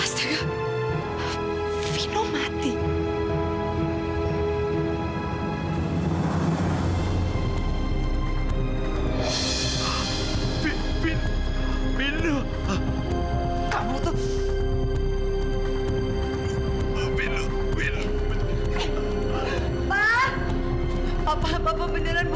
sampai jumpa di video selanjutnya